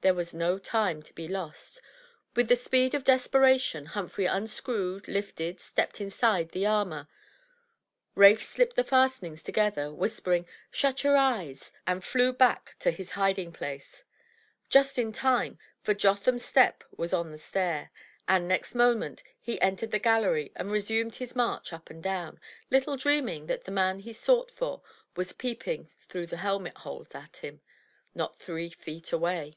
There was no time to be lost. With the speed of desperation, Humphrey unscrewed, lifted, stepped inside the armor. Rafe slipped the fastenings together, whispering, "Shut your eyes." and flew back to his hiding place. Just in time, for Jotham's step was on the stair, and next moment he entered the gallery, and resumed his march up and down, Uttle dreaming that the man sought for was peeping through the helmet holes at him, not three feet away.